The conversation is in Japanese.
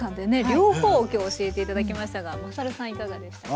両方を今日教えて頂きましたがまさるさんいかがでしたか？